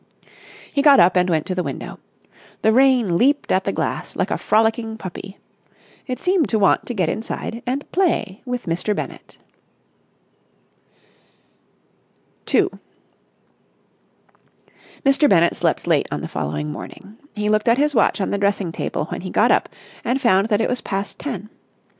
He got up and went to the window. The rain leaped at the glass like a frolicking puppy. It seemed to want to get inside and play with Mr. Bennett. § 2 Mr. Bennett slept late on the following morning. He looked at his watch on the dressing table when he got up, and found that it was past ten.